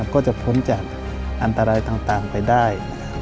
ก็จะพ้นจากอันตรายต่างไปได้